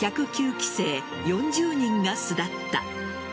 期生４０人が巣立った。